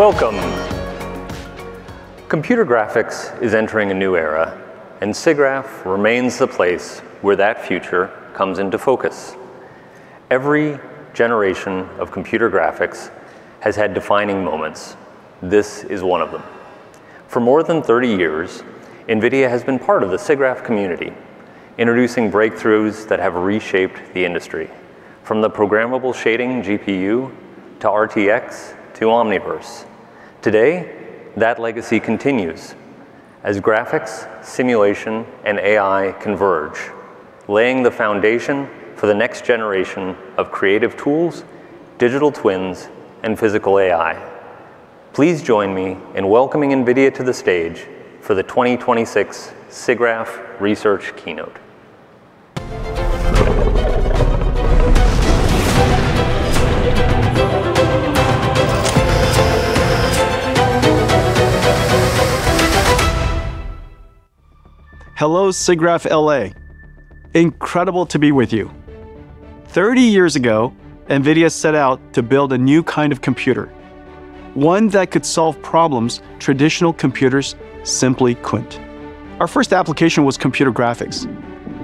Welcome. Computer graphics is entering a new era, SIGGRAPH remains the place where that future comes into focus. Every generation of computer graphics has had defining moments. This is one of them. For more than 30 years, NVIDIA has been part of the SIGGRAPH community, introducing breakthroughs that have reshaped the industry, from the programmable shading GPU, to RTX, to Omniverse. Today, that legacy continues as graphics, simulation, and AI converge, laying the foundation for the next generation of creative tools, digital twins, and physical AI. Please join me in welcoming NVIDIA to the stage for the 2026 SIGGRAPH Research Keynote. Hello, SIGGRAPH L.A. Incredible to be with you. 30 years ago, NVIDIA set out to build a new kind of computer, one that could solve problems traditional computers simply couldn't. Our first application was computer graphics,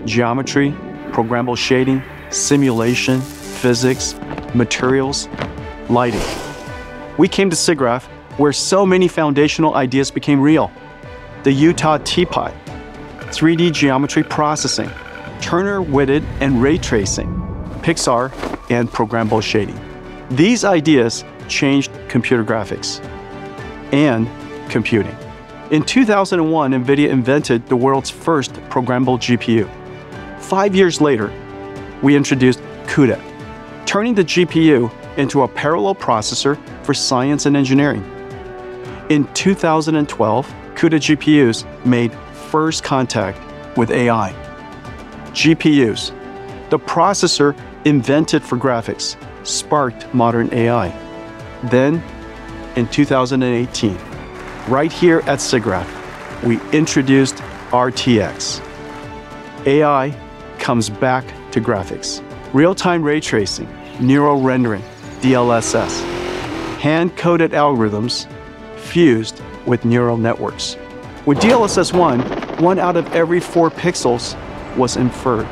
geometry, programmable shading, simulation, physics, materials, lighting. We came to SIGGRAPH, where so many foundational ideas became real. The Utah teapot, 3D geometry processing, Turner Whitted and ray tracing, Pixar, and programmable shading. These ideas changed computer graphics and computing. In 2001, NVIDIA invented the world's first programmable GPU. five years later, we introduced CUDA, turning the GPU into a parallel processor for science and engineering. In 2012, CUDA GPUs made first contact with AI. GPUs, the processor invented for graphics, sparked modern AI. In 2018, right here at SIGGRAPH, we introduced RTX. AI comes back to graphics. Real-time ray tracing, neural rendering, DLSS. Hand-coded algorithms fused with neural networks. With DLSS 1, one out of every four pixels was inferred.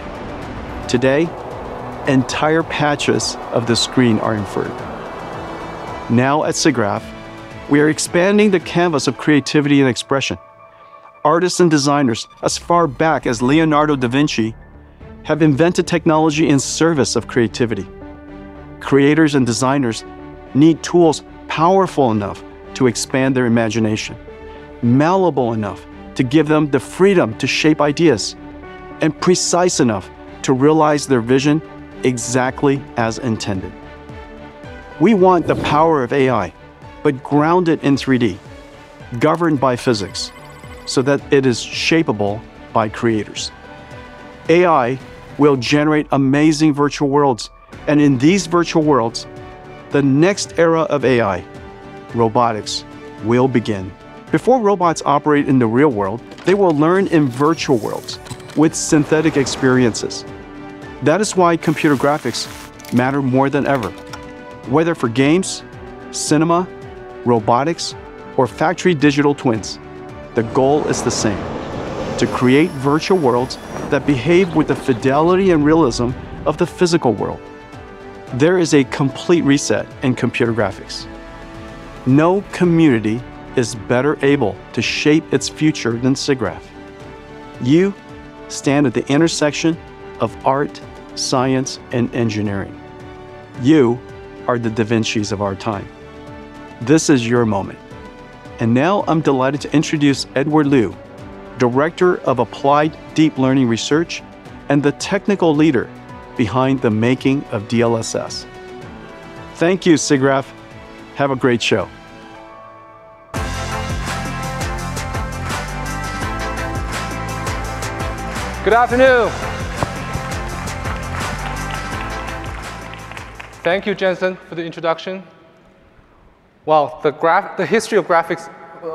Today, entire patches of the screen are inferred. At SIGGRAPH, we are expanding the canvas of creativity and expression. Artists and designers as far back as Leonardo da Vinci have invented technology in service of creativity. Creators and designers need tools powerful enough to expand their imagination, malleable enough to give them the freedom to shape ideas, and precise enough to realize their vision exactly as intended. We want the power of AI, but grounded in 3D, governed by physics, so that it is shapeable by creators. AI will generate amazing virtual worlds, and in these virtual worlds, the next era of AI, robotics, will begin. Before robots operate in the real world, they will learn in virtual worlds with synthetic experiences. That is why computer graphics matter more than ever. Whether for games, cinema, robotics, or factory digital twins, the goal is the same: to create virtual worlds that behave with the fidelity and realism of the physical world. There is a complete reset in computer graphics. No community is better able to shape its future than SIGGRAPH. You stand at the intersection of art, science, and engineering. You are the da Vincis of our time. This is your moment. Now I'm delighted to introduce Edward Liu, Director of Applied Deep Learning Research and the technical leader behind the making of DLSS. Thank you, SIGGRAPH. Have a great show. Good afternoon. Thank you, Jensen, for the introduction. Wow. The history of graphics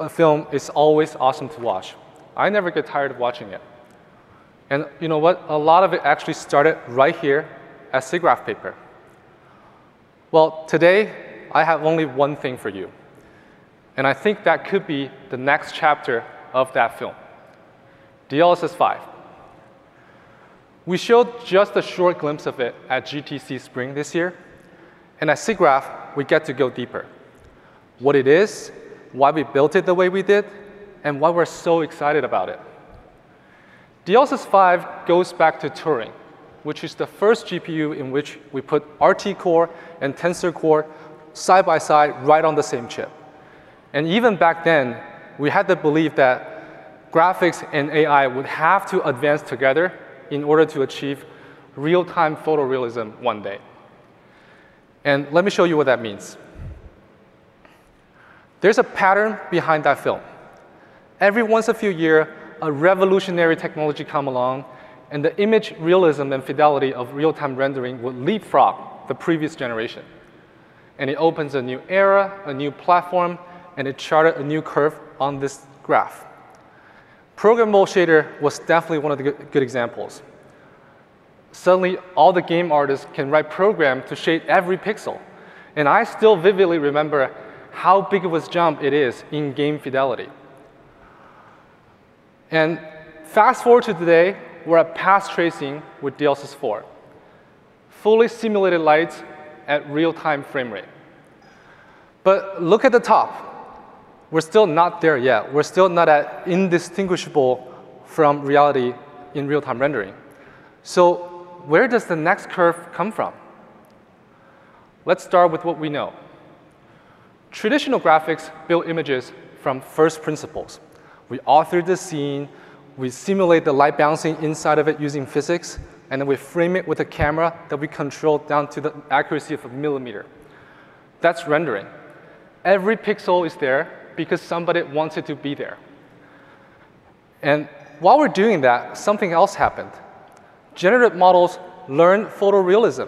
film is always awesome to watch. I never get tired of watching it. You know what? A lot of it actually started right here as SIGGRAPH paper. Today, I have only one thing for you. I think that could be the next chapter of that film. DLSS 5. We showed just a short glimpse of it at GTC Spring this year. At SIGGRAPH, we get to go deeper. What it is, why we built it the way we did, and why we're so excited about it. DLSS 5 goes back to Turing, which is the first GPU in which we put RT core and Tensor core side by side right on the same chip. Even back then, we had the belief that graphics and AI would have to advance together in order to achieve real-time photorealism one day. Let me show you what that means. There's a pattern behind that film. Every once a few year, a revolutionary technology come along. The image realism and fidelity of real-time rendering will leapfrog the previous generation. It opens a new era, a new platform. It chart a new curve on this graph. Programmable shader was definitely one of the good examples. Suddenly, all the game artists can write program to shade every pixel. I still vividly remember how big of a jump it is in game fidelity. Fast-forward to today, we're at path tracing with DLSS 4. Fully simulated light at real-time frame rate. Look at the top. We're still not there yet. We're still not at indistinguishable from reality in real-time rendering. Where does the next curve come from? Let's start with what we know. Traditional graphics build images from first principles. We author the scene, we simulate the light bouncing inside of it using physics. Then we frame it with a camera that we control down to the accuracy of a millimeter. That's rendering. Every pixel is there because somebody wants it to be there. While we're doing that, something else happened. Generative models learn photorealism.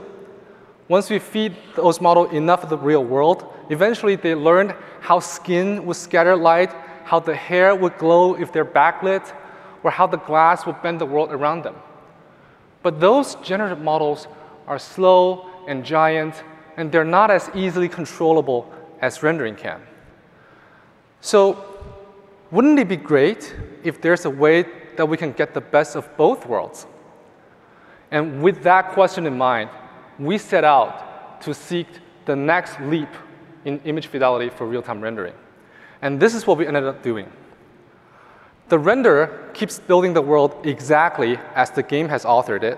Once we feed those model enough of the real world, eventually they learn how skin will scatter light, how the hair will glow if they're backlit, or how the glass will bend the world around them. Those generative models are slow and giant. They're not as easily controllable as rendering can. Wouldn't it be great if there's a way that we can get the best of both worlds? With that question in mind, we set out to seek the next leap in image fidelity for real-time rendering. This is what we ended up doing. The renderer keeps building the world exactly as the game has authored it.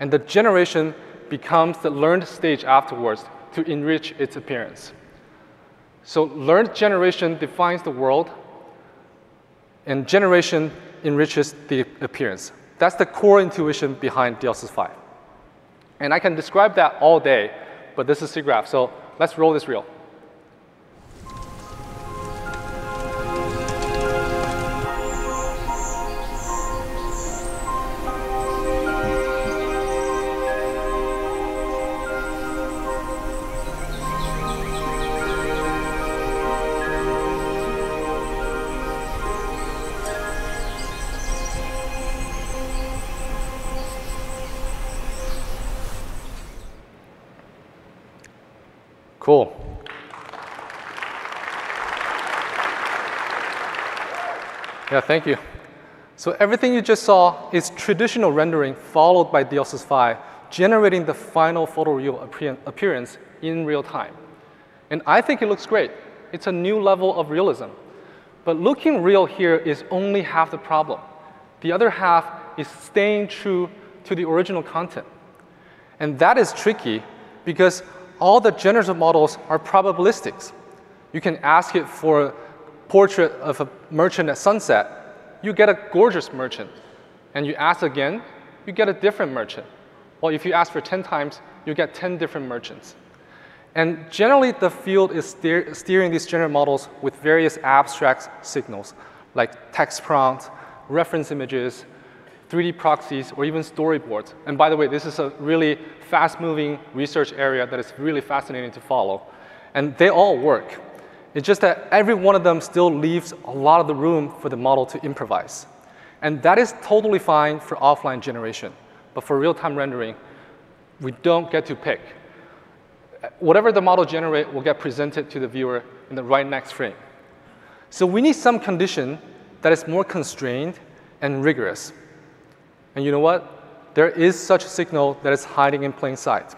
The generation becomes the learned stage afterwards to enrich its appearance. Learned generation defines the world. Generation enriches the appearance. That's the core intuition behind DLSS 5. I can describe that all day. This is SIGGRAPH, so let's roll this reel. Cool. Yeah, thank you. Everything you just saw is traditional rendering followed by DLSS 5 generating the final photoreal appearance in real time. I think it looks great. It's a new level of realism. Looking real here is only half the problem. That is tricky because all the generative models are probabilistics. You can ask it for a portrait of a merchant at sunset. You get a gorgeous merchant. You ask again, you get a different merchant. If you ask for 10 times, you get 10 different merchants. Generally, the field is steering these generative models with various abstract signals, like text prompt, reference images, 3D proxies, or even storyboards. By the way, this is a really fast-moving research area that is really fascinating to follow. They all work. It is just that every one of them still leaves a lot of the room for the model to improvise. That is totally fine for offline generation. For real-time rendering, we don't get to pick. Whatever the model generate will get presented to the viewer in the right next frame. We need some condition that is more constrained and rigorous. You know what? There is such signal that is hiding in plain sight.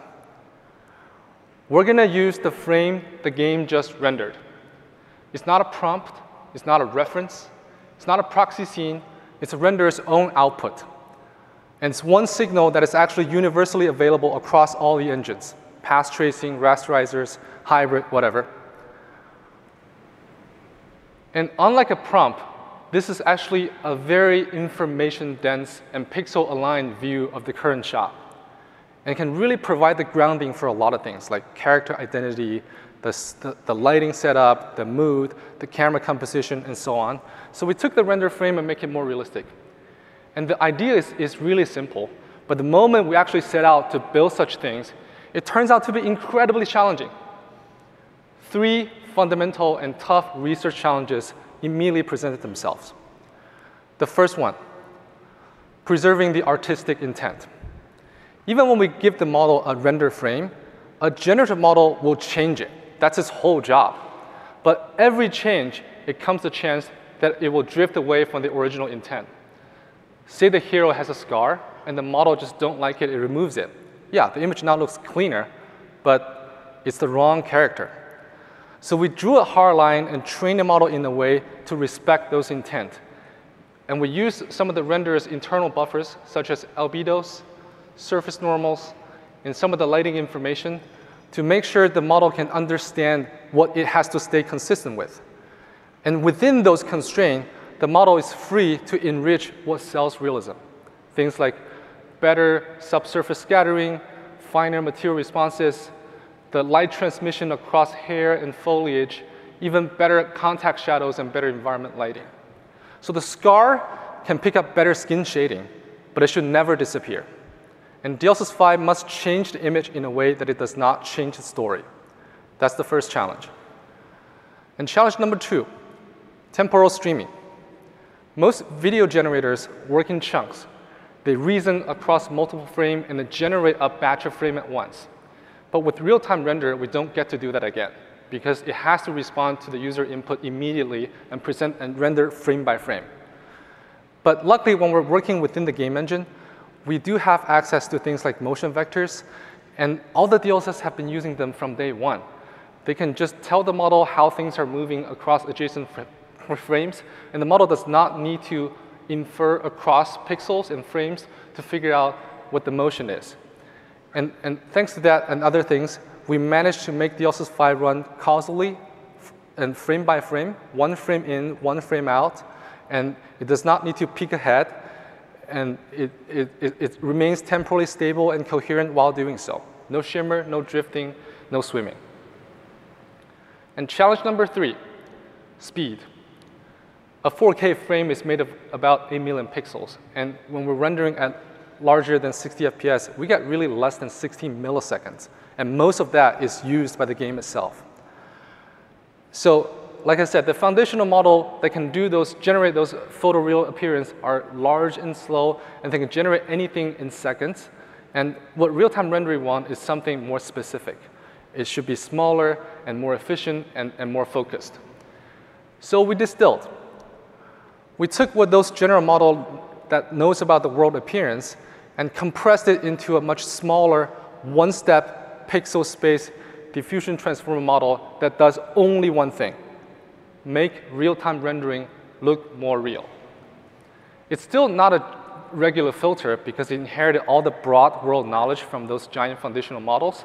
We're going to use the frame the game just rendered. It's not a prompt. It's not a reference. It's not a proxy scene. It's a renderer's own output. It's one signal that is actually universally available across all the engines, path tracing, rasterizers, hybrid, whatever. Unlike a prompt, this is actually a very information-dense and pixel-aligned view of the current shot and can really provide the grounding for a lot of things, like character identity, the lighting setup, the mood, the camera composition, and so on. We took the render frame and make it more realistic. The idea is really simple, but the moment we actually set out to build such things, it turns out to be incredibly challenging. Three fundamental and tough research challenges immediately presented themselves. The first one, preserving the artistic intent. Even when we give the model a render frame, a generative model will change it. That's its whole job. Every change, it comes a chance that it will drift away from the original intent. Say the hero has a scar and the model just don't like it removes it. Yeah, the image now looks cleaner, but it's the wrong character. We drew a hard line and trained the model in a way to respect those intent. We used some of the renderer's internal buffers, such as albedos, surface normals, and some of the lighting information to make sure the model can understand what it has to stay consistent with. Within those constraint, the model is free to enrich what sells realism. Things like better subsurface scattering, finer material responses, the light transmission across hair and foliage, even better contact shadows, and better environment lighting. The scar can pick up better skin shading, but it should never disappear. DLSS 5 must change the image in a way that it does not change the story. That's the first challenge. Challenge number two, temporal streaming. Most video generators work in chunks. They reason across multiple frame and they generate a batch of frame at once. With real-time render, we don't get to do that again because it has to respond to the user input immediately and present and render frame by frame. Luckily, when we're working within the game engine, we do have access to things like motion vectors and all the DLSS have been using them from day one. They can just tell the model how things are moving across adjacent frames, and the model does not need to infer across pixels and frames to figure out what the motion is. Thanks to that and other things, we managed to make DLSS 5 run causally and frame by frame, one frame in, one frame out, and it does not need to peek ahead, and it remains temporally stable and coherent while doing so. No shimmer, no drifting, no swimming. Challenge number three, speed. A 4K frame is made of about 8 million pixels, and when we're rendering at larger than 60 FPS, we get really less than 16 ms, and most of that is used by the game itself. Like I said, the foundational model that can generate those photoreal appearance are large and slow, and they can generate anything in seconds. What real-time rendering want is something more specific. It should be smaller and more efficient and more focused. We distilled. We took what those general model that knows about the world appearance and compressed it into a much smaller one-step pixel space diffusion transformer model that does only one thing, make real-time rendering look more real. It's still not a regular filter because it inherited all the broad world knowledge from those giant foundational models,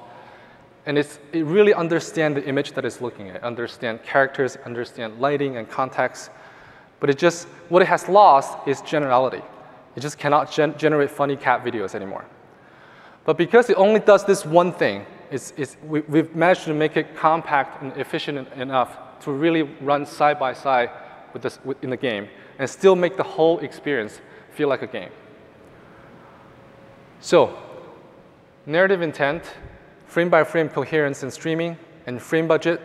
and it really understand the image that it's looking at, understand characters, understand lighting and context, but what it has lost is generality. It just cannot generate funny cat videos anymore. Because it only does this one thing, we've managed to make it compact and efficient enough to really run side by side in the game and still make the whole experience feel like a game. Narrative intent, frame by frame coherence and streaming, and frame budget.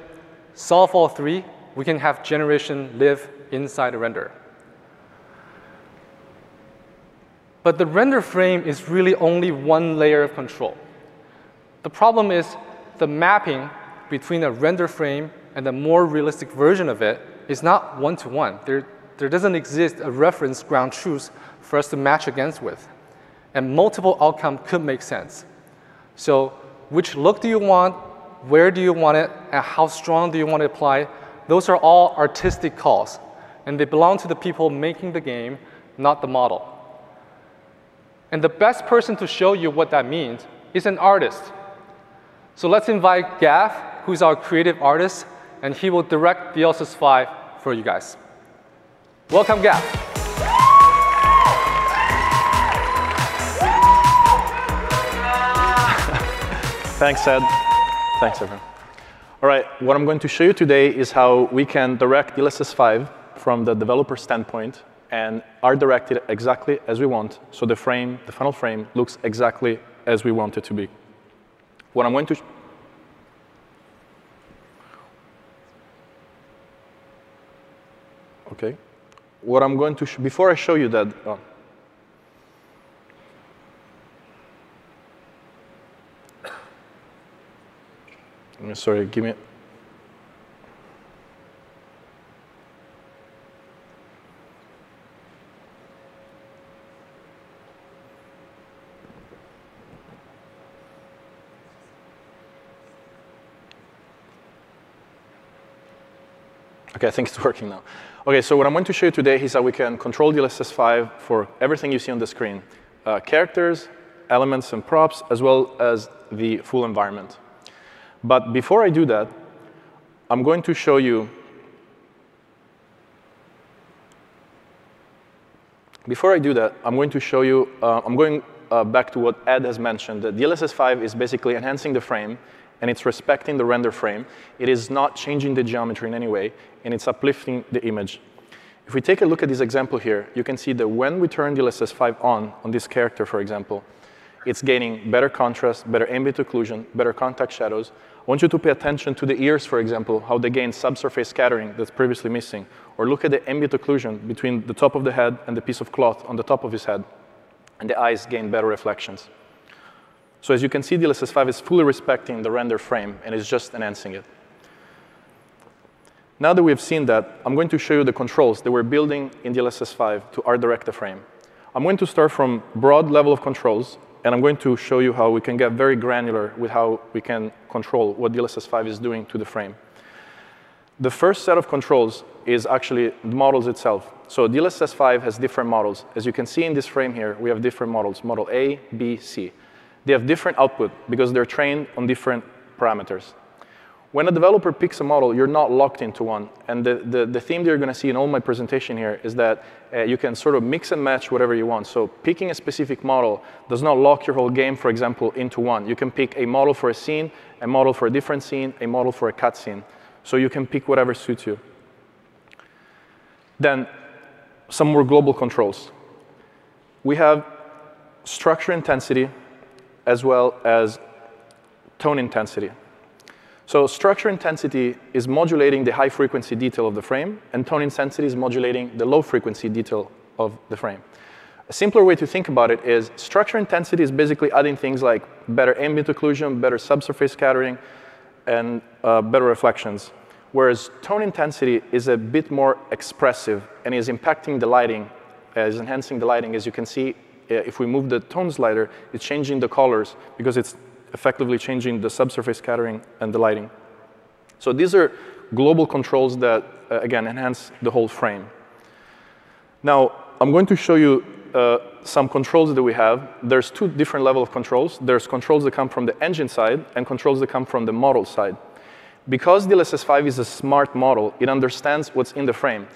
Solve all three, we can have generation live inside a renderer. The render frame is really only one layer of control. The problem is the mapping between a render frame and the more realistic version of it is not one-to-one. There doesn't exist a reference ground truth for us to match against with, and multiple outcome could make sense. Which look do you want? Where do you want it? How strong do you want to apply? Those are all artistic calls, and they belong to the people making the game, not the model. The best person to show you what that means is an artist. Let's invite Gab, who's our creative artist, and he will direct DLSS 5 for you guys. Welcome, Gab. Thanks, Ed. Thanks, everyone. All right. What I'm going to show you today is how we can direct DLSS 5 from the developer standpoint and art direct it exactly as we want, so the final frame looks exactly as we want it to be. Okay. Before I show you that, sorry. I think it's working now. Okay. What I'm going to show you today is how we can control DLSS 5 for everything you see on the screen, characters, elements and props, as well as the full environment. Before I do that, I'm going back to what Ed has mentioned, that DLSS 5 is basically enhancing the frame and it's respecting the render frame. It is not changing the geometry in any way, and it's uplifting the image. If we take a look at this example here, you can see that when we turn DLSS 5 on this character, for example, it's gaining better contrast, better ambient occlusion, better contact shadows. I want you to pay attention to the ears, for example, how they gain subsurface scattering that's previously missing. Look at the ambient occlusion between the top of the head and the piece of cloth on the top of his head, and the eyes gain better reflections. As you can see, DLSS 5 is fully respecting the render frame and is just enhancing it. Now that we have seen that, I'm going to show you the controls that we're building in DLSS 5 to art direct the frame. I'm going to start from broad level of controls, and I'm going to show you how we can get very granular with how we can control what DLSS 5 is doing to the frame. The first set of controls is actually the models itself. DLSS 5 has different models. As you can see in this frame here, we have different models, model A, B, C. They have different output because they're trained on different parameters. When a developer picks a model, you're not locked into one. The theme that you're going to see in all my presentation here is that you can sort of mix and match whatever you want. Picking a specific model does not lock your whole game, for example, into one. You can pick a model for a scene, a model for a different scene, a model for a cut scene. You can pick whatever suits you. Some more global controls. We have structure intensity as well as tone intensity. Structure intensity is modulating the high-frequency detail of the frame, and tone intensity is modulating the low-frequency detail of the frame. A simpler way to think about it is structure intensity is basically adding things like better ambient occlusion, better subsurface scattering, and better reflections. Whereas tone intensity is a bit more expressive and is impacting the lighting, is enhancing the lighting. As you can see, if we move the tone slider, it's changing the colors because it's effectively changing the subsurface scattering and the lighting. These are global controls that, again, enhance the whole frame. Now I'm going to show you some controls that we have. There's two different level of controls. There's controls that come from the engine side and controls that come from the model side. Because DLSS 5 is a smart model, it understands what's in the frame.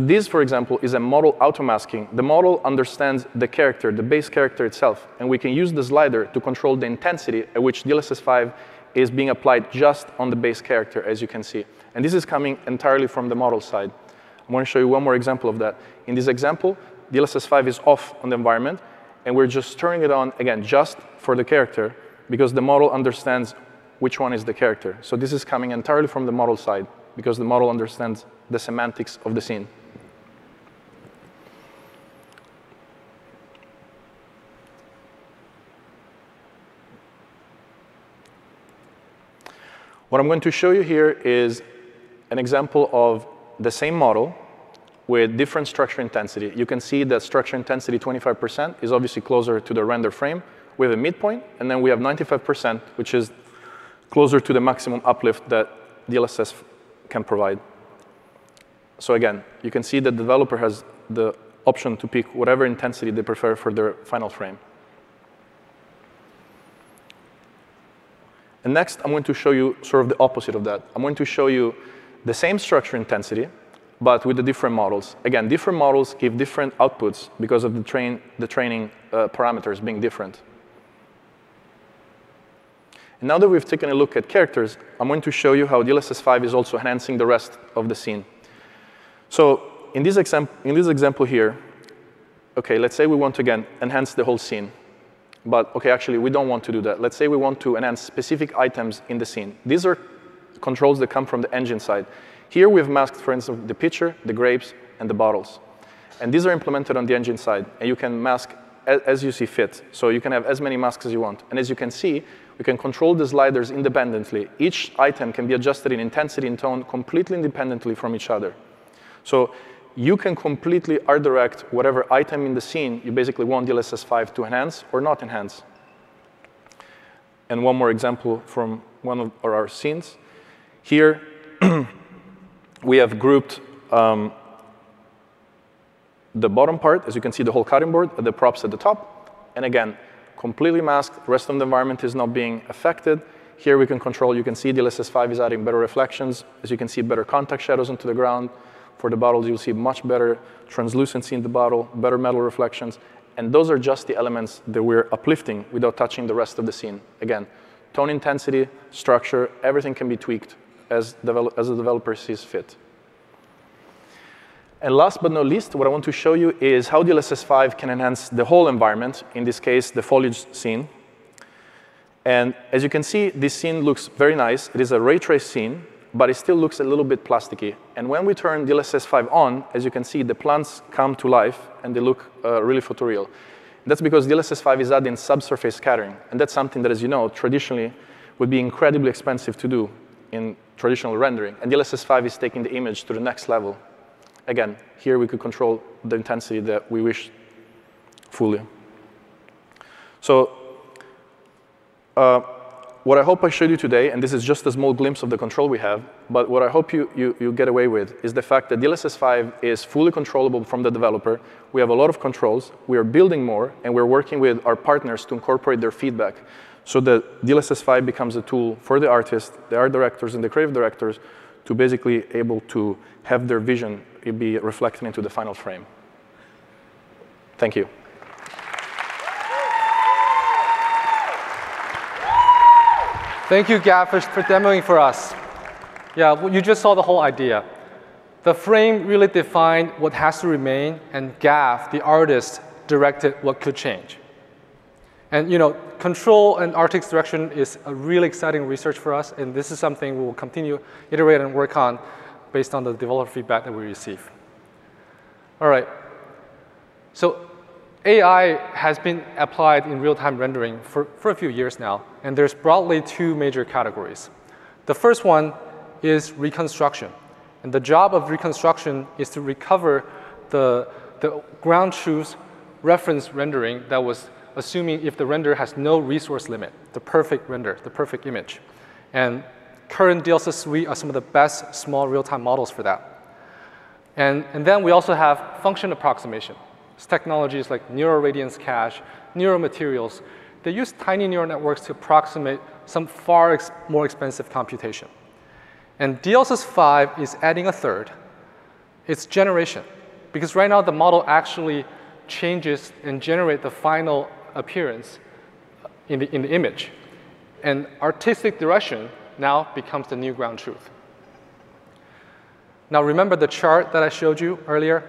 This, for example, is a model auto-masking. The model understands the character, the base character itself, and we can use the slider to control the intensity at which DLSS 5 is being applied just on the base character, as you can see. This is coming entirely from the model side. I'm going to show you one more example of that. In this example, DLSS 5 is off on the environment. We're just turning it on again just for the character because the model understands which one is the character. This is coming entirely from the model side because the model understands the semantics of the scene. What I'm going to show you here is an example of the same model with different structure intensity. You can see that structure intensity 25% is obviously closer to the render frame. We have a midpoint, and then we have 95%, which is closer to the maximum uplift that DLSS can provide. Again, you can see the developer has the option to pick whatever intensity they prefer for their final frame. Next, I'm going to show you sort of the opposite of that. I'm going to show you the same structure intensity, but with the different models. Again, different models give different outputs because of the training parameters being different. Now that we've taken a look at characters, I'm going to show you how DLSS 5 is also enhancing the rest of the scene. In this example here, let's say we want to, again, enhance the whole scene. Actually, we don't want to do that. Let's say we want to enhance specific items in the scene. These are controls that come from the engine side. Here we've masked, for instance, the pitcher, the grapes, and the bottles. These are implemented on the engine side, and you can mask as you see fit. You can have as many masks as you want. As you can see, we can control the sliders independently. Each item can be adjusted in intensity and tone completely independently from each other. You can completely art direct whatever item in the scene you basically want DLSS 5 to enhance or not enhance. One more example from one of our scenes. Here, we have grouped the bottom part. As you can see, the whole cutting board and the props at the top. Again, completely masked. The rest of the environment is not being affected. Here we can control. You can see DLSS 5 is adding better reflections. As you can see, better contact shadows onto the ground. For the bottles, you'll see much better translucency in the bottle, better metal reflections. Those are just the elements that we're uplifting without touching the rest of the scene. Again, tone intensity, structure, everything can be tweaked as the developer sees fit. Last but not least, what I want to show you is how DLSS 5 can enhance the whole environment, in this case, the foliage scene. As you can see, this scene looks very nice. It is a ray traced scene. It still looks a little bit plasticky. When we turn DLSS 5 on, as you can see, the plants come to life and they look really photoreal. That's because DLSS 5 is adding subsurface scattering. That's something that, as you know, traditionally would be incredibly expensive to do in traditional rendering. DLSS 5 is taking the image to the next level. Again, here we could control the intensity that we wish fully. What I hope I showed you today, this is just a small glimpse of the control we have. What I hope you get away with is the fact that DLSS 5 is fully controllable from the developer. We have a lot of controls. We are building more. We're working with our partners to incorporate their feedback so that DLSS 5 becomes a tool for the artist, the art directors, and the creative directors to basically able to have their vision be reflected into the final frame. Thank you. Thank you, Gab, for demoing for us. You just saw the whole idea. The frame really defined what has to remain. Gab, the artist, directed what could change. Control and artistic direction is a really exciting research for us. This is something we will continue iterate and work on based on the developer feedback that we receive. AI has been applied in real-time rendering for a few years now. There's broadly two major categories. The first one is reconstruction. The job of reconstruction is to recover the ground truth reference rendering that was assuming if the render has no resource limit, the perfect render, the perfect image. Current DLSS suite are some of the best small real-time models for that. Then we also have function approximation. It's technologies like Neural Radiance Cache, Neural Materials. They use tiny neural networks to approximate some far more expensive computation. DLSS 5 is adding a third. It's generation. Right now the model actually changes and generate the final appearance in the image. Artistic direction now becomes the new ground truth. Remember the chart that I showed you earlier?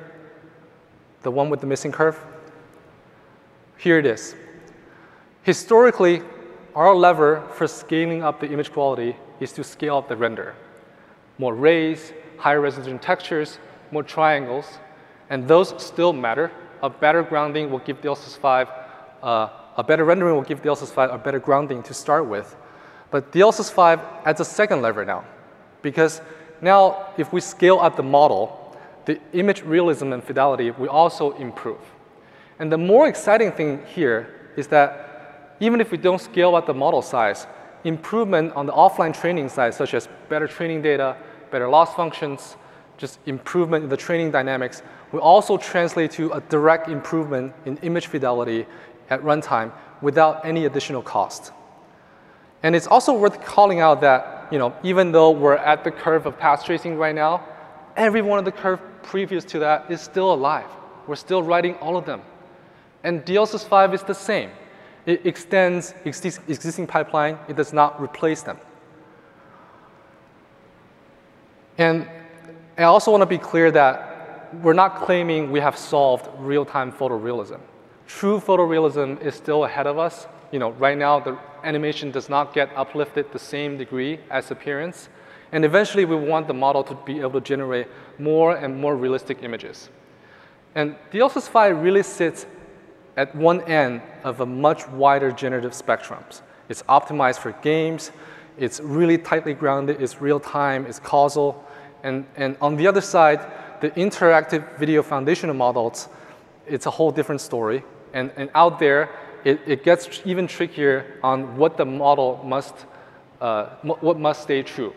The one with the missing curve? Here it is. Historically, our lever for scaling up the image quality is to scale up the render. More rays, higher resolution textures, more triangles. Those still matter. A better rendering will give DLSS 5 a better grounding to start with. DLSS 5 adds a second lever now. Now if we scale up the model, the image realism and fidelity will also improve. The more exciting thing here is that even if we don't scale up the model size, improvement on the offline training side, such as better training data, better loss functions, just improvement in the training dynamics, will also translate to a direct improvement in image fidelity at runtime without any additional cost. It's also worth calling out that even though we're at the curve of path tracing right now, every one of the curve previous to that is still alive. We're still writing all of them. DLSS 5 is the same. It extends existing pipeline. It does not replace them. I also want to be clear that we're not claiming we have solved real-time photorealism. True photorealism is still ahead of us. Right now, the animation does not get uplifted the same degree as appearance, eventually, we want the model to be able to generate more and more realistic images. DLSS 5 really sits at one end of a much wider generative spectrums. It's optimized for games, it's really tightly grounded, it's real-time, it's causal, on the other side, the interactive video foundational models, it's a whole different story. Out there, it gets even trickier on what must stay true.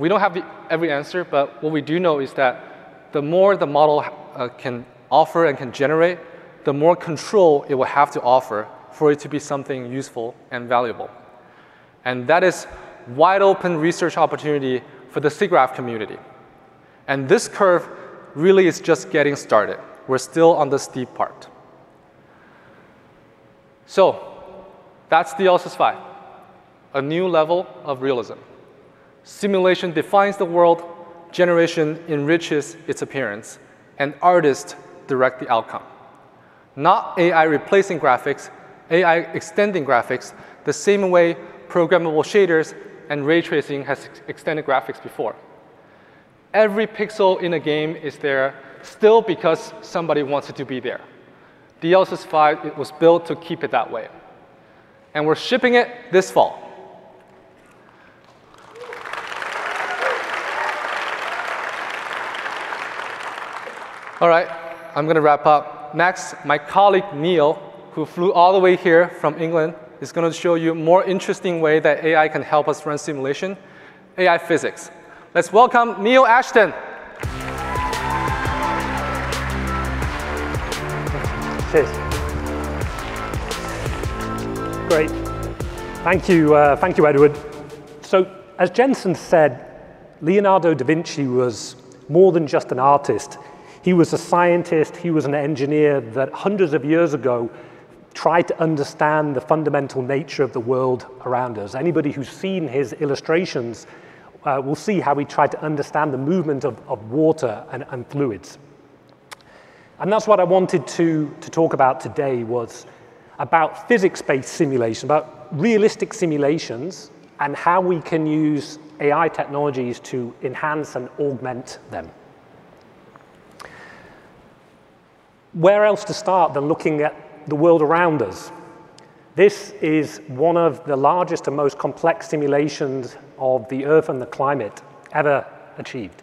We don't have every answer, but what we do know is that the more the model can offer and can generate, the more control it will have to offer for it to be something useful and valuable. That is wide open research opportunity for the SIGGRAPH community. This curve really is just getting started. We're still on the steep part. That's DLSS 5, a new level of realism. Simulation defines the world, generation enriches its appearance, artists direct the outcome. Not AI replacing graphics, AI extending graphics the same way programmable shaders and ray tracing has extended graphics before. Every pixel in a game is there still because somebody wants it to be there. DLSS 5, it was built to keep it that way. We're shipping it this fall. All right, I'm going to wrap up. Next, my colleague Neil, who flew all the way here from England, is going to show you more interesting way that AI can help us run simulation, AI physics. Let's welcome Neil Ashton. Cheers. Great. Thank you. Thank you, Edward. As Jensen said, Leonardo da Vinci was more than just an artist. He was a scientist. He was an engineer that hundreds of years ago tried to understand the fundamental nature of the world around us. Anybody who's seen his illustrations will see how he tried to understand the movement of water and fluids. That's what I wanted to talk about today was about physics-based simulation, about realistic simulations and how we can use AI technologies to enhance and augment them. Where else to start than looking at the world around us? This is one of the largest and most complex simulations of the Earth and the climate ever achieved.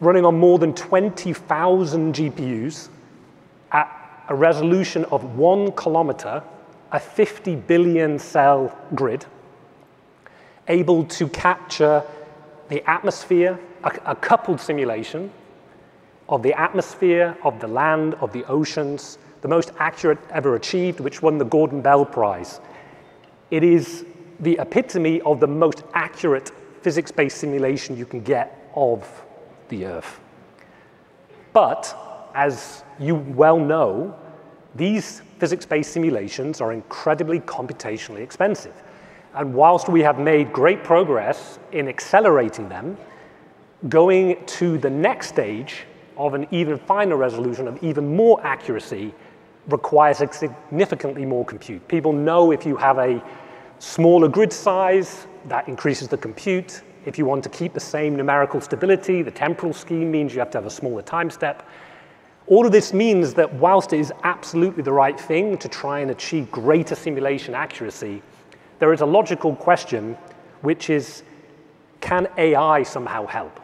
Running on more than 20,000 GPUs at a resolution of 1 km, a 50 billion cell grid, able to capture the atmosphere, a coupled simulation of the atmosphere, of the land, of the oceans, the most accurate ever achieved, which won the Gordon Bell Prize. It is the epitome of the most accurate physics-based simulation you can get of the Earth. As you well know, these physics-based simulations are incredibly computationally expensive. Whilst we have made great progress in accelerating them, going to the next stage of an even finer resolution, of even more accuracy requires significantly more compute. People know if you have a smaller grid size, that increases the compute. If you want to keep the same numerical stability, the temporal scheme means you have to have a smaller time step. All of this means that whilst it is absolutely the right thing to try and achieve greater simulation accuracy, there is a logical question which is, can AI somehow help?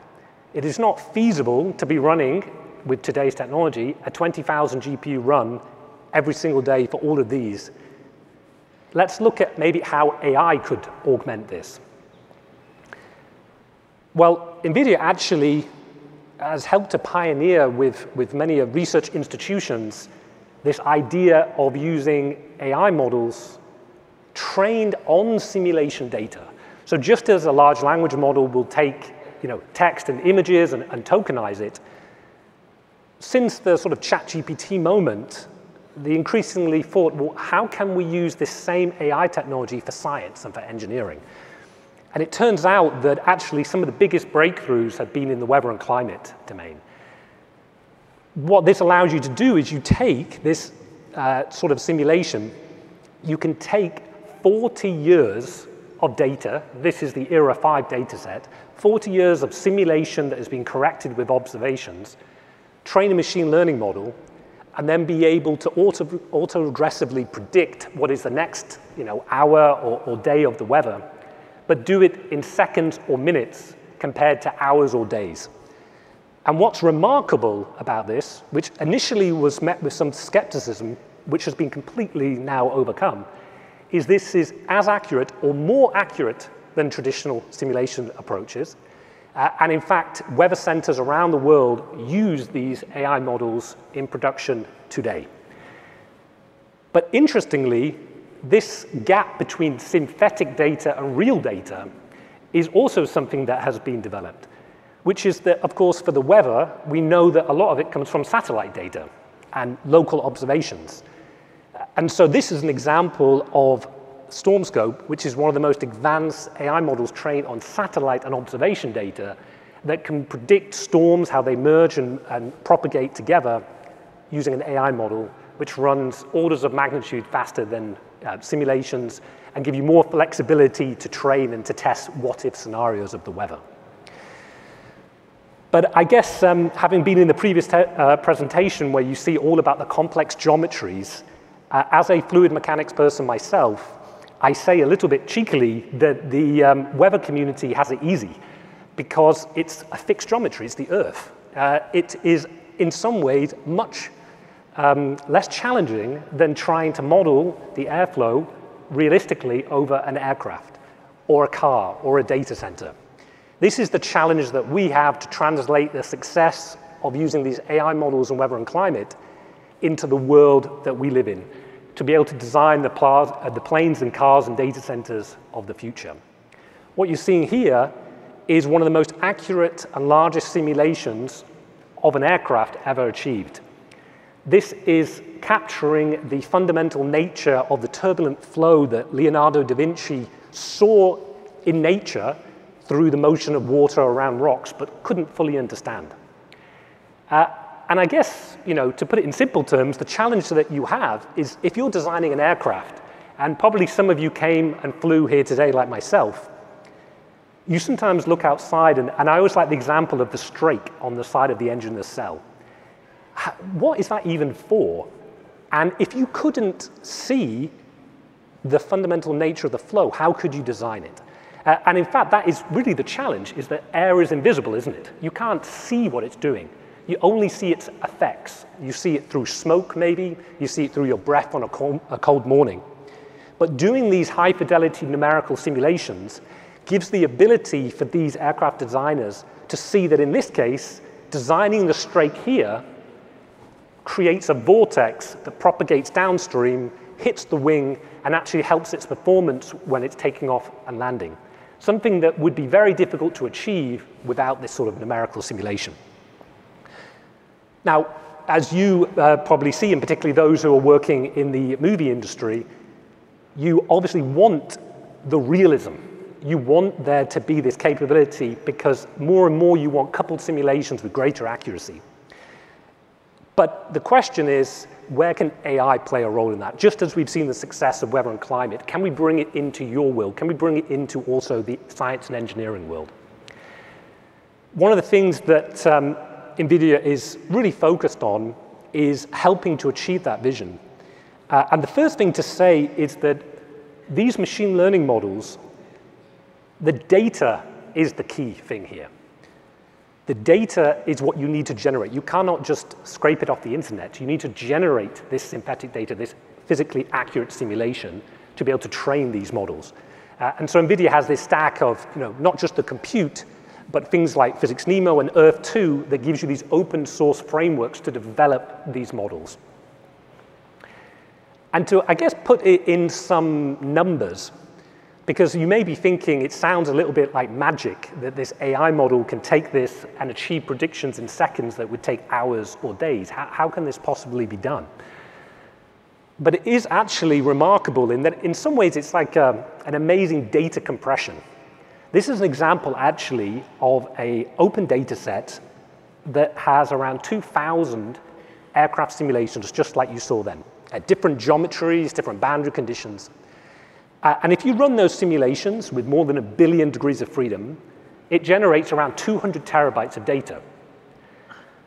It is not feasible to be running, with today's technology, a 20,000 GPU run every single day for all of these. Let's look at maybe how AI could augment this. NVIDIA actually has helped to pioneer with many a research institutions, this idea of using AI models trained on simulation data. Just as a large language model will take text and images and tokenize it. Since the ChatGPT moment, they increasingly thought, "Well, how can we use this same AI technology for science and for engineering?" It turns out that actually some of the biggest breakthroughs have been in the weather and climate domain. What this allows you to do is you take this sort of simulation, you can take 40 years of data, this is the ERA5 dataset, 40 years of simulation that has been corrected with observations, train a machine learning model, and then be able to autoregressively predict what is the next hour or day of the weather, but do it in seconds or minutes compared to hours or days. What's remarkable about this, which initially was met with some skepticism, which has been completely now overcome, is this is as accurate or more accurate than traditional simulation approaches. In fact, weather centers around the world use these AI models in production today. Interestingly, this gap between synthetic data and real data is also something that has been developed, which is that, of course, for the weather, we know that a lot of it comes from satellite data and local observations. This is an example of StormScope, which is one of the most advanced AI models trained on satellite and observation data that can predict storms, how they merge and propagate together using an AI model which runs orders of magnitude faster than simulations and give you more flexibility to train and to test what if scenarios of the weather. I guess, having been in the previous presentation where you see all about the complex geometries, as a fluid mechanics person myself, I say a little bit cheekily that the weather community has it easy because it's a fixed geometry. It's the Earth. It is in some ways much less challenging than trying to model the airflow realistically over an aircraft, or a car, or a data center. This is the challenge that we have to translate the success of using these AI models in weather and climate into the world that we live in, to be able to design the planes and cars and data centers of the future. What you're seeing here is one of the most accurate and largest simulations of an aircraft ever achieved. This is capturing the fundamental nature of the turbulent flow that Leonardo da Vinci saw in nature through the motion of water around rocks, but couldn't fully understand. I guess, to put it in simple terms, the challenge that you have is if you're designing an aircraft, and probably some of you came and flew here today like myself, you sometimes look outside, I always like the example of the strake on the side of the engine nacelle. What is that even for? If you couldn't see the fundamental nature of the flow, how could you design it? In fact, that is really the challenge is that air is invisible, isn't it? You can't see what it's doing. You only see its effects. You see it through smoke, maybe. You see it through your breath on a cold morning. Doing these high-fidelity numerical simulations gives the ability for these aircraft designers to see that, in this case, designing the strake here creates a vortex that propagates downstream, hits the wing, and actually helps its performance when it's taking off and landing. Something that would be very difficult to achieve without this sort of numerical simulation. As you probably see, and particularly those who are working in the movie industry, you obviously want the realism. You want there to be this capability because more and more you want coupled simulations with greater accuracy. The question is, where can AI play a role in that? Just as we've seen the success of weather and climate, can we bring it into your world? Can we bring it into also the science and engineering world? One of the things that NVIDIA is really focused on is helping to achieve that vision. The first thing to say is that these machine learning models, the data is the key thing here. The data is what you need to generate. You cannot just scrape it off the internet. You need to generate this synthetic data, this physically accurate simulation, to be able to train these models. So NVIDIA has this stack of not just the compute, but things like PhysicsNeMo and Earth-2 that gives you these open source frameworks to develop these models. To, I guess, put it in some numbers, because you may be thinking it sounds a little bit like magic, that this AI model can take this and achieve predictions in seconds that would take hours or days. How can this possibly be done? It is actually remarkable in that in some ways it's like an amazing data compression. This is an example, actually, of an open dataset that has around 2,000 aircraft simulations just like you saw then, at different geometries, different boundary conditions. And if you run those simulations with more than a billion degrees of freedom, it generates around 200 TB of data.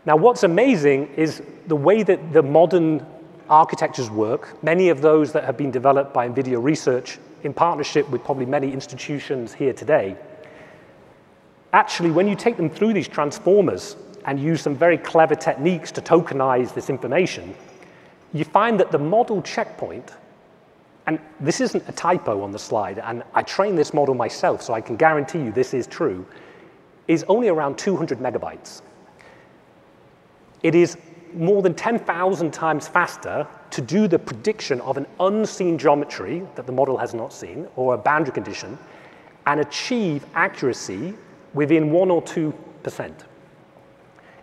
Now, what's amazing is the way that the modern architectures work, many of those that have been developed by NVIDIA Research in partnership with probably many institutions here today. Actually, when you take them through these transformers and use some very clever techniques to tokenize this information, you find that the model checkpoint, and this isn't a typo on the slide, and I trained this model myself, so I can guarantee you this is true, is only around 200 MB. It is more than 10,000 times faster to do the prediction of an unseen geometry that the model has not seen, or a boundary condition and achieve accuracy within 1% or 2%.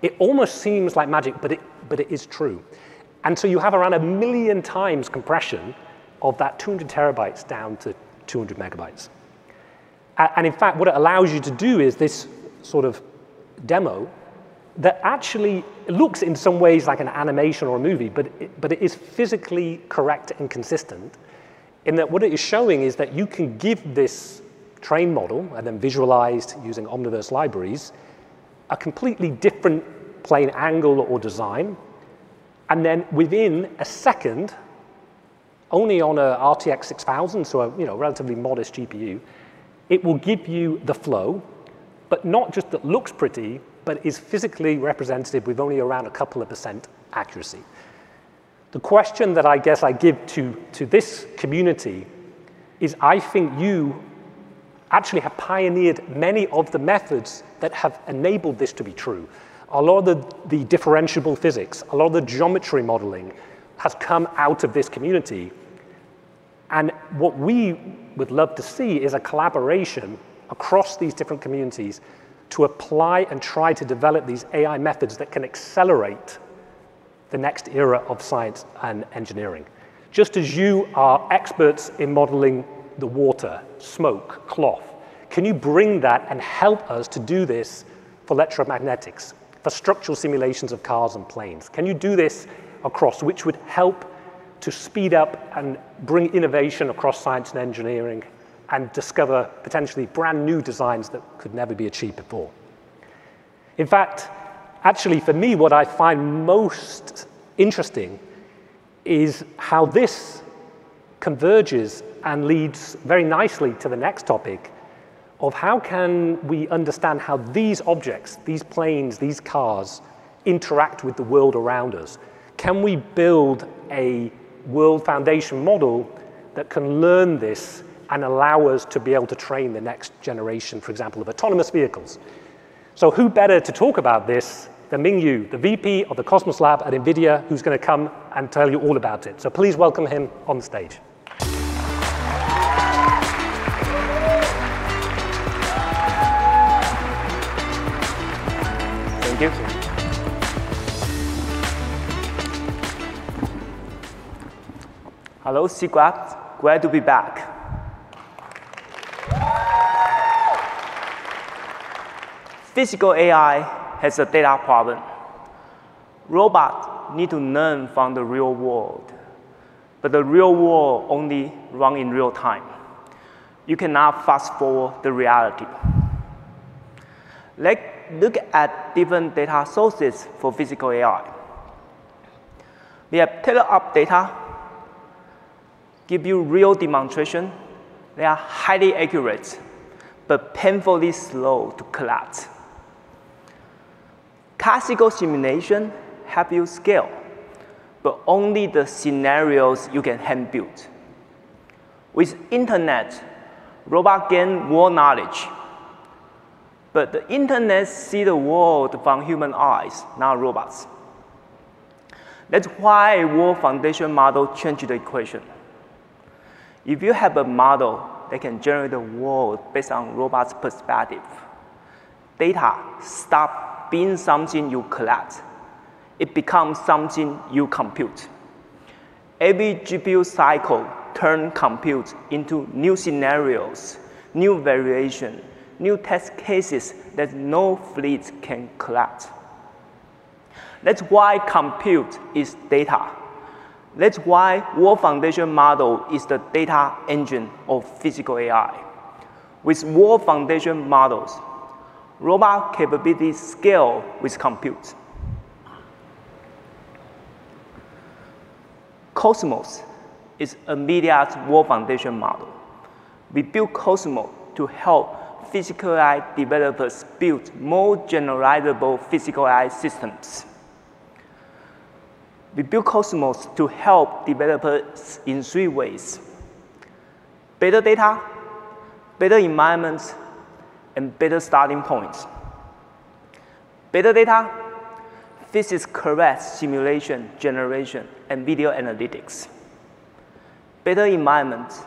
It almost seems like magic, but it is true. And so you have around a million times compression of that 200 TB down to 200 MB. And in fact, what it allows you to do is this sort of demo that actually looks in some ways like an animation or a movie, but it is physically correct and consistent in that what it is showing is that you can give this trained model, and then visualized using Omniverse libraries, a completely different plane angle or design, and then within a second, only on an RTX 6000, so a relatively modest GPU, it will give you the flow. Not just that looks pretty, but is physically representative with only around a couple of percent accuracy. The question that I guess I give to this community is, I think you actually have pioneered many of the methods that have enabled this to be true. A lot of the differentiable physics, a lot of the geometry modeling has come out of this community. And what we would love to see is a collaboration across these different communities to apply and try to develop these AI methods that can accelerate the next era of science and engineering. Just as you are experts in modeling the water, smoke, cloth, can you bring that and help us to do this for electromagnetics, for structural simulations of cars and planes? Can you do this across, which would help to speed up and bring innovation across science and engineering and discover potentially brand-new designs that could never be achieved before. In fact, actually, for me, what I find most interesting is how this converges and leads very nicely to the next topic of how can we understand how these objects, these planes, these cars, interact with the world around us. Can we build a world foundation model that can learn this and allow us to be able to train the next generation, for example, of autonomous vehicles? Who better to talk about this than Ming-Yu, the VP of the Cosmos Lab at NVIDIA, who's going to come and tell you all about it. Please welcome him on stage. Thank you. Hello, SIGGRAPH. Glad to be back. Physical AI has a data problem. Robots need to learn from the real world, but the real world only run in real-time. You cannot fast-forward the reality. Let's look at different data sources for physical AI. We have tele-op data give you real demonstration. They are highly accurate, but painfully slow to collect. Classical simulation help you scale, but only the scenarios you can hand-build. With internet robot gain more knowledge, but the internet see the world from human eyes, not robots. That's why world foundation model change the equation. If you have a model that can generate the world based on robot's perspective, data stop being something you collect. It becomes something you compute. Every GPU cycle turn compute into new scenarios, new variation, new test cases that no fleet can collect. That's why compute is data. That's why world foundation model is the data engine of physical AI. With world foundation models, robot capability scale with compute. Cosmos is NVIDIA's world foundation model. We built Cosmos to help physical AI developers build more generalizable physical AI systems. We built Cosmos to help developers in three ways: better data, better environments, and better starting points. Better data. Physics-correct simulation generation and video analytics. Better environments.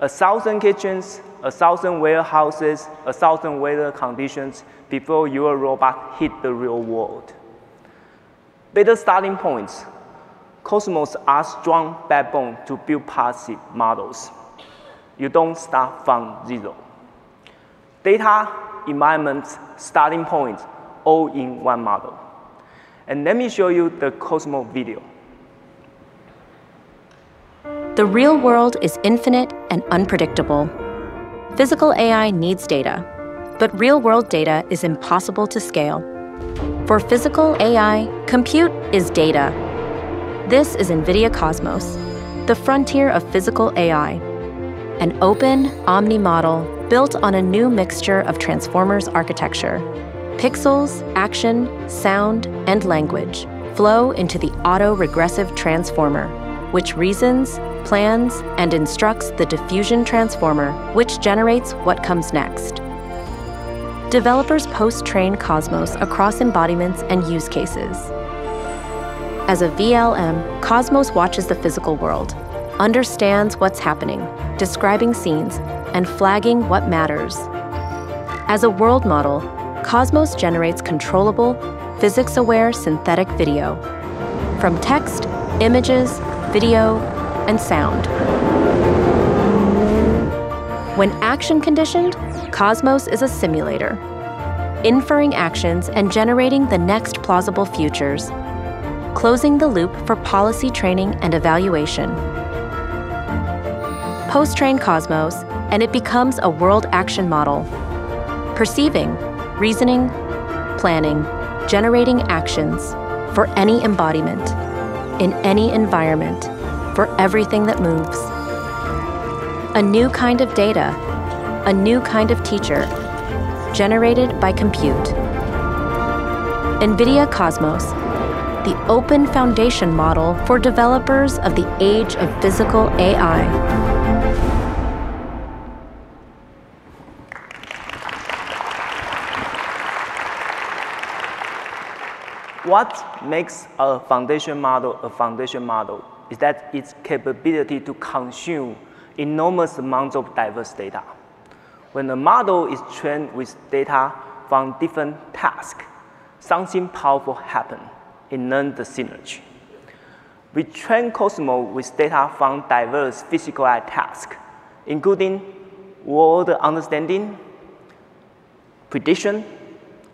A 1,000 kitchens, a 1,000 warehouses, a 1,000 weather conditions before your robot hit the real world. Better starting points. Cosmos are strong backbone to build policy models. You don't start from zero. Data, environments, starting points, all in one model. Let me show you the Cosmos video. The real world is infinite and unpredictable. Physical AI needs data, but real-world data is impossible to scale. For physical AI, compute is data. This is NVIDIA Cosmos, the frontier of physical AI. An open Omnimodel built on a new mixture of Transformers architecture. Pixels, action, sound, and language flow into the auto-regressive Transformer, which reasons, plans, and instructs the Diffusion Transformer, which generates what comes next. Developers post-train Cosmos across embodiments and use cases. As a VLM, Cosmos watches the physical world, understands what's happening, describing scenes, and flagging what matters. As a world model, Cosmos generates controllable, physics-aware synthetic video from text, images, video, and sound. When action-conditioned, Cosmos is a simulator, inferring actions and generating the next plausible futures, closing the loop for policy training and evaluation. Post-train Cosmos it becomes a world action model. Perceiving, reasoning, planning, generating actions for any embodiment in any environment for everything that moves. A new kind of data, a new kind of teacher, generated by compute. NVIDIA Cosmos, the open foundation model for developers of the age of physical AI. What makes a foundation model a foundation model is its capability to consume enormous amounts of diverse data. When the model is trained with data from different tasks, something powerful happens. It learns the synergy. We train Cosmos with data from diverse physical AI tasks, including world understanding, prediction,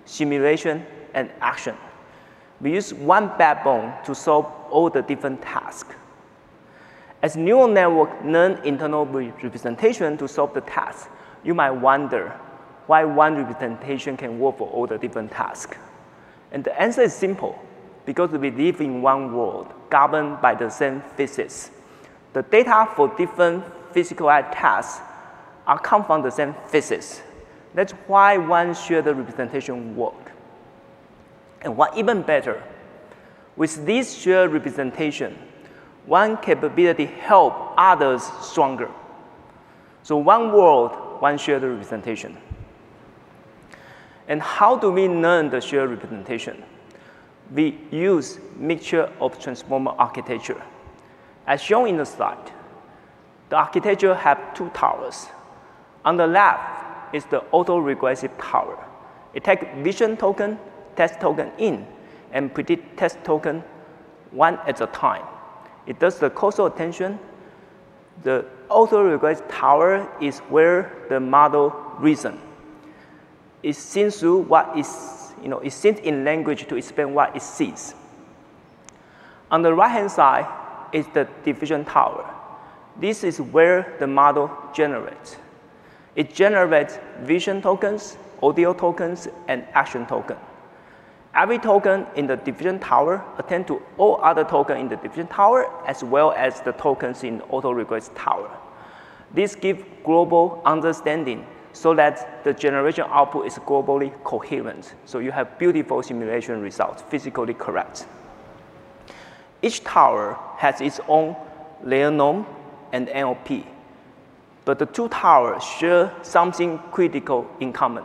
simulation, and action. We use one backbone to solve all the different tasks. As neural networks learn internal representation to solve the task, you might wonder why one representation can work for all the different tasks. The answer is simple. We live in one world governed by the same physics. The data for different physical AI tasks come from the same physics. That's why one shared representation works. What's even better, with this shared representation, one capability helps others stronger. One world, one shared representation. How do we learn the shared representation? We use a mixture of transformer architecture. As shown in the slide, the architecture has two towers. On the left is the autoregressive tower. It takes a vision token, task token in, and predicts task tokens one at a time. It does the causal attention. The autoregressive tower is where the model reasons. It thinks in language to explain what it sees. On the right-hand side is the diffusion tower. This is where the model generates. It generates vision tokens, audio tokens, and action tokens. Every token in the diffusion tower attends to all other tokens in the diffusion tower, as well as the tokens in the autoregressive tower. This gives global understanding so that the generation output is globally coherent. You have beautiful simulation results, physically correct. Each tower has its own layer norm and MLP. The two towers share something critical in common,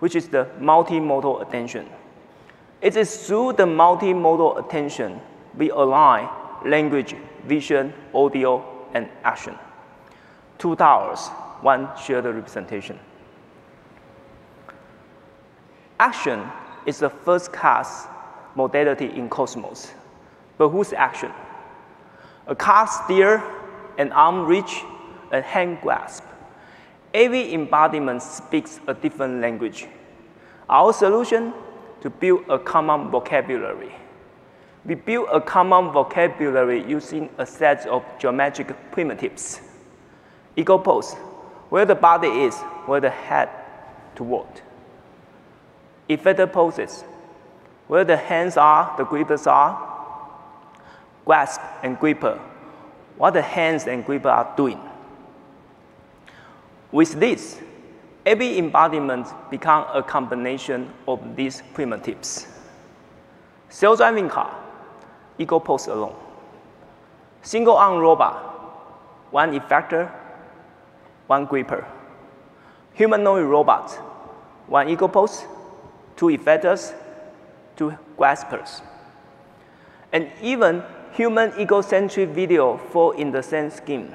which is the multimodal attention. It is through the multimodal attention we align language, vision, audio, and action. Two towers, one shared representation. Action is the first-class modality in Cosmos. Whose action? A car's steer, an arm reach, a hand grasp. Every embodiment speaks a different language. Our solution? To build a common vocabulary. We build a common vocabulary using a set of geometric primitives. Ego pose, where the body is, where the head, to what. Effector poses, where the hands are, the grippers are. Grasp and gripper, what the hands and gripper are doing. With this, every embodiment becomes a combination of these primitives. Self-driving car, ego pose alone. Single-arm robot, one effector, one gripper. Humanoid robot, one ego pose, two effectors, two graspers. Even human egocentric video falls in the same scheme.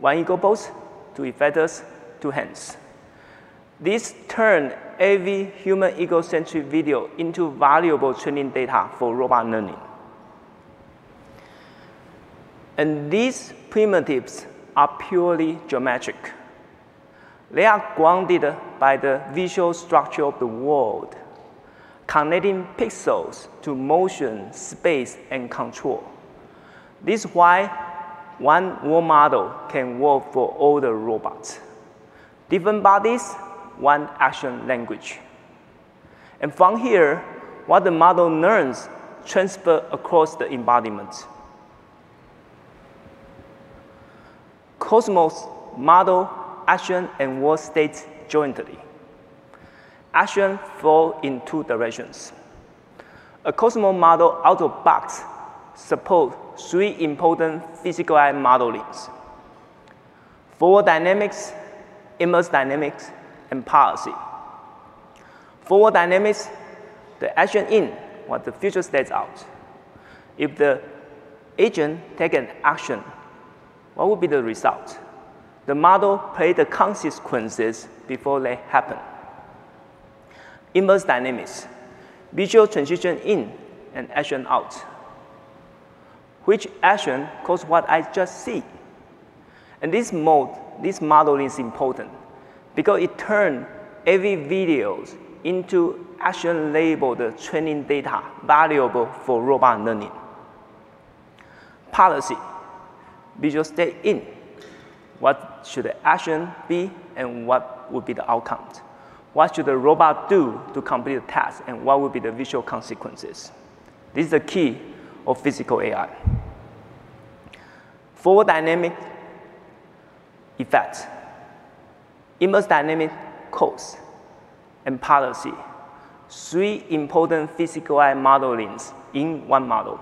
One ego pose, two effectors, two hands. This turns every human egocentric video into valuable training data for robot learning. These primitives are purely geometric. They are grounded by the visual structure of the world, connecting pixels to motion, space, and control. This is why one world model can work for all the robots. Different bodies, one action language. From here, what the model learns transfers across the embodiment. Cosmos models action and world states jointly. Action falls in two directions. A Cosmos model out of the box supports three important physical AI modelings. Forward dynamics, the action in what the future states out. If the agent takes an action, what will be the result? The model plays the consequences before they happen. Inverse dynamics. Visual transition in and action out. Which action caused what I just saw? This model is important because it turns every video into action labeled training data valuable for robot learning. Policy. Visual state in, what should the action be and what will be the outcome? What should the robot do to complete a task, and what will be the visual consequences? This is a key of physical AI. Forward dynamic effect. Inverse dynamic cause and policy. Three important physical AI modelings in one model.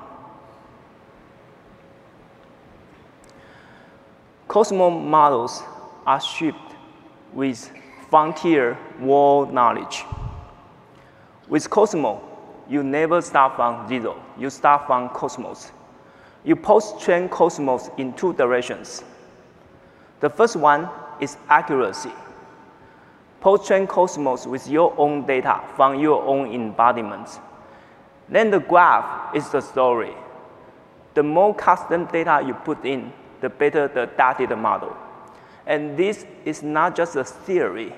Cosmos models are shipped with frontier world knowledge. With Cosmos, you never start from zero, you start from Cosmos. You post-train Cosmos in two directions. The first one is accuracy. Post-train Cosmos with your own data from your own embodiment. The graph is the story. The more custom data you put in, the better the data model. This is not just a theory.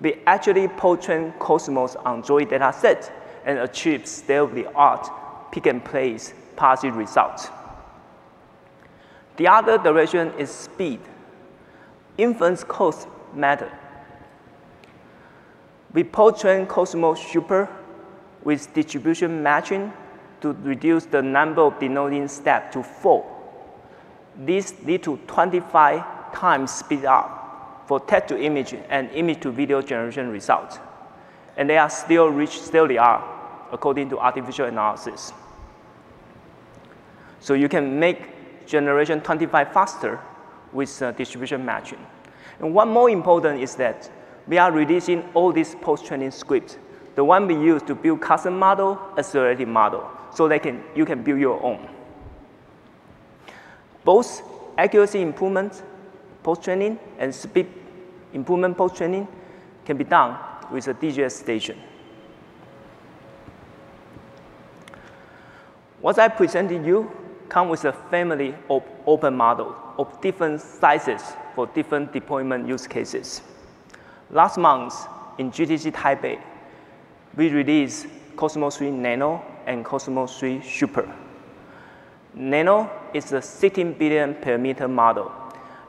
We actually pre-train Cosmos on DROID dataset and achieve state-of-the-art pick-and-place policy result. The other direction is speed. Inference costs matter. We pre-train Cosmos Super with distribution matching to reduce the number of denoising steps to four. This leads to 25 times speed-up for text-to-image and image-to-video generation results, and they are still state of the art according to Artificial Analysis. You can make generation 25 faster with distribution matching. One more important is that we are releasing all this post-training script, the one we used to build custom model, as a ready model so you can build your own. Both accuracy improvement post-training and speed improvement post-training can be done with a DGX station. What I presented you comes with a family of open models of different sizes for different deployment use cases. Last month in NVIDIA GTC Taipei, we released Cosmos 3 Nano and Cosmos 3 Super. Nano is a 16 billion parameter model.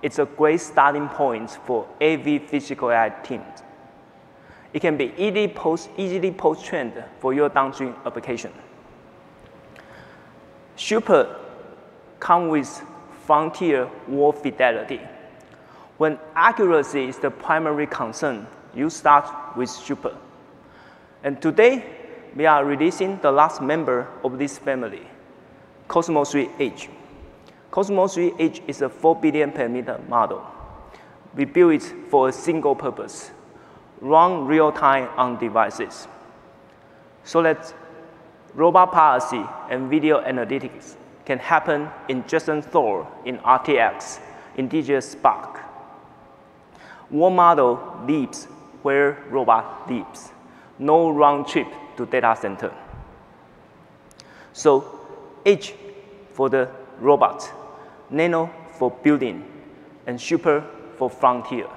It's a great starting point for every physical AI team. It can be easily post-trained for your downstream application. Super comes with frontier world fidelity. When accuracy is the primary concern, you start with Super. Today we are releasing the last member of this family, Cosmos 3 Edge. Cosmos 3 Edge is a four billion parameter model. We built it for a single purpose: run real-time on devices. That robot policy and video analytics can happen in Jetson Thor, in RTX, in DGX Spark. One model lives where robot lives. No round trip to data center. Edge for the robot, Nano for building, and Super for frontier.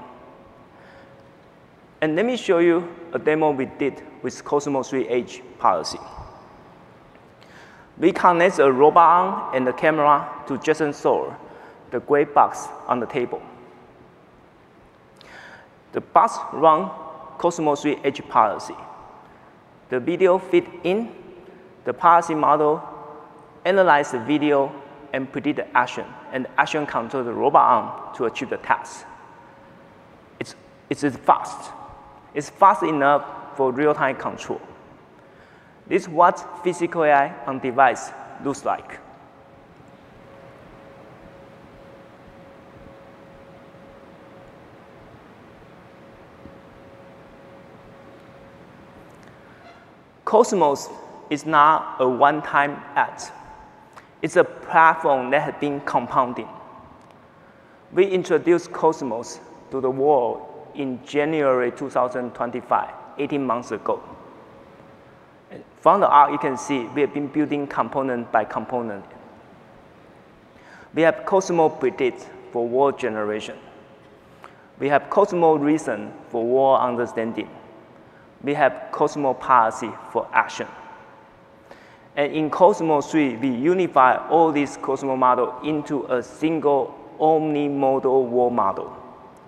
Let me show you a demo we did with Cosmos 3 Edge policy. We connect a robot arm and a camera to Jetson Thor, the gray box on the table. The box runs Cosmos 3 Edge Policy. The video feeds in, the policy model analyzes the video and predicts the action, and the action controls the robot arm to achieve the task. It's fast. It's fast enough for real-time control. This is what physical AI on device looks like. Cosmos is not a one-time act. It's a platform that has been compounding. We introduced Cosmos to the world in January 2025, 18 months ago. From the arc, you can see we have been building component by component. We have Cosmos Predict for world generation. We have Cosmos Reason for world understanding. We have Cosmos Policy for action. In Cosmos 3, we unify all these Cosmos models into a single Omnimodel world model.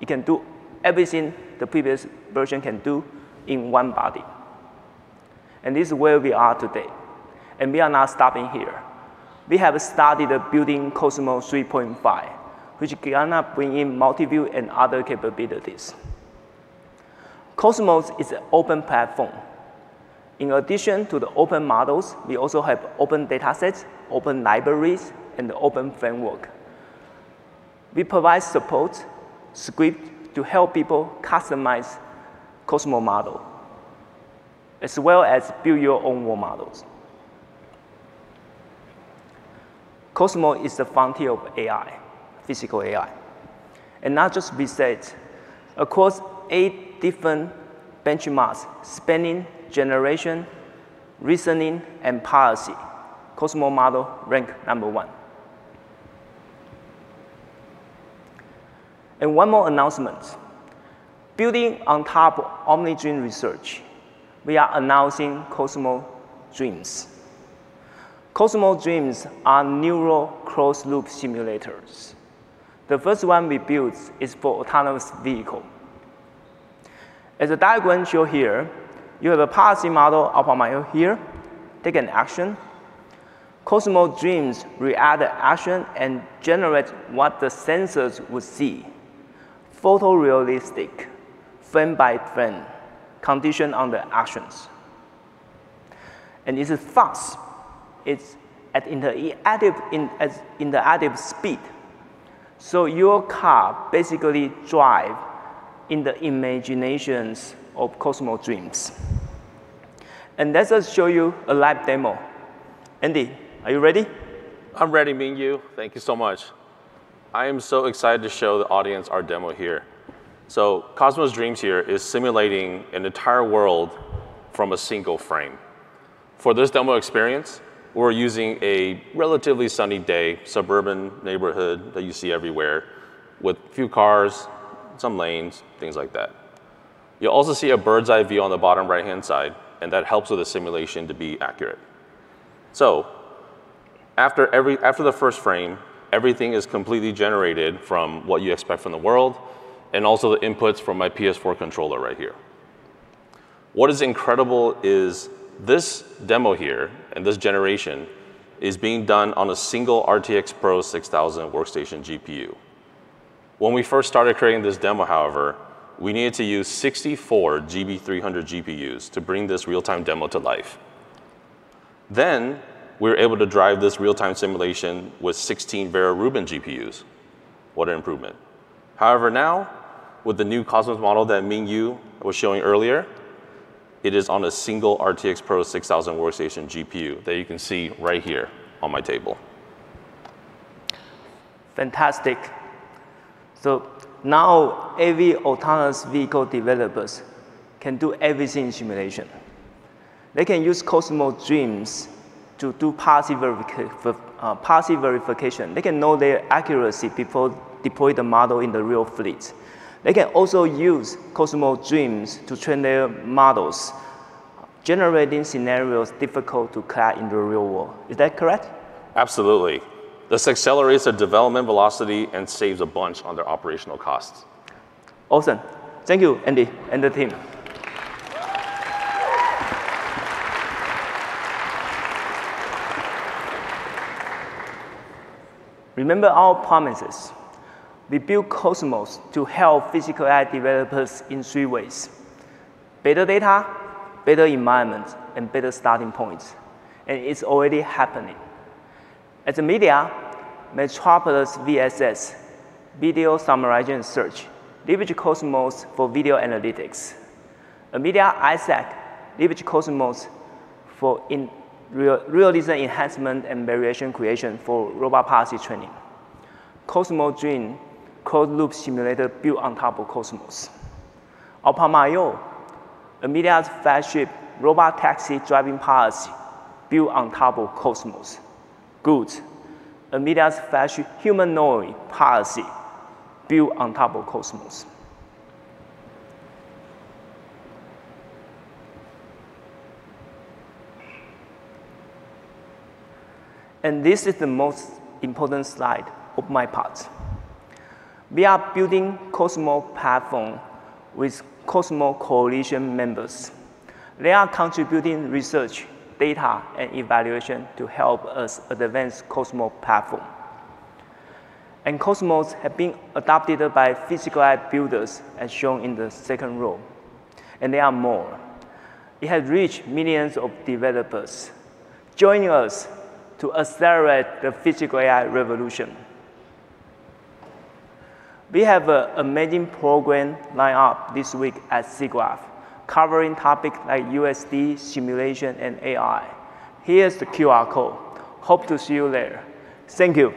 It can do everything the previous version can do in one body. This is where we are today, and we are not stopping here. We have started building Cosmos 3.5, which is going to bring in multi-view and other capabilities. Cosmos is an open platform. In addition to the open models, we also have open datasets, open libraries, and the open framework. We provide support script to help people customize Cosmos model, as well as build your own world models. Cosmos is the frontier of physical AI. Not just we say it. Across eight different benchmarks, spanning generation, reasoning, and policy, Cosmos model rank number one. One more announcement. Building on top OmniDreams research, we are announcing Cosmos Dreams. Cosmos Dreams are neural closed-loop simulators. The first one we built is for autonomous vehicle. As a diagram shown here, you have a policy model, Alpamayo here. Take an action. Cosmos Dreams will add the action and generate what the sensors will see. Photorealistic, frame by frame, condition on the actions. It's fast. It's at interactive speed. Your car basically drive in the imaginations of Cosmos Dreams. Let us show you a live demo. Andy, are you ready? I'm ready, Ming-Yu. Thank you so much. I am so excited to show the audience our demo here. Cosmos Dreams here is simulating an entire world from a single frame. For this demo experience, we're using a relatively sunny day, suburban neighborhood that you see everywhere, with few cars, some lanes, things like that. You'll also see a bird's eye view on the bottom right-hand side, that helps with the simulation to be accurate. After the first frame, everything is completely generated from what you expect from the world, and also the inputs from my PS4 controller right here. What is incredible is this demo here, and this generation, is being done on a single RTX 6000 Ada Generation workstation GPU. When we first started creating this demo, however, we needed to use 64 GB300 GPUs to bring this real-time demo to life. We were able to drive this real-time simulation with 16 Vera Rubin GPUs. What an improvement. However, now, with the new Cosmos model that Ming-Yu was showing earlier, it is on a single RTX 6000 Ada Generation workstation GPU that you can see right here on my table. Fantastic. Now every autonomous vehicle developers can do everything simulation. They can use Cosmos Dreams to do policy verification. They can know their accuracy before deploy the model in the real fleet. They can also use Cosmos Dreams to train their models, generating scenarios difficult to craft in the real world. Is that correct? Absolutely. This accelerates the development velocity and saves a bunch on their operational costs. Awesome. Thank you, Andy, and the team. Remember our promises. We built Cosmos to help physical AI developers in three ways: better data, better environment, and better starting points. It's already happening. As a media, Metropolis VSS, Video Summarization and Search, leverage Cosmos for video analytics. NVIDIA Isaac leverage Cosmos for realism enhancement and variation creation for robot policy training. Cosmos Dreams, closed-loop simulator built on top of Cosmos. Alpamayo, NVIDIA's flagship robot taxi driving cars, built on top of Cosmos. GR00T, NVIDIA's flagship humanoid policy, built on top of Cosmos. This is the most important slide of my part. We are building Cosmos platform with Cosmos Coalition members. They are contributing research, data, and evaluation to help us advance Cosmos platform. Cosmos have been adopted by physical AI builders, as shown in the second row, and there are more. It has reached millions of developers. Join us to accelerate the physical AI revolution. We have a amazing program lined up this week at SIGGRAPH, covering topics like USD, simulation, and AI. Here is the QR code. Hope to see you there. Thank you.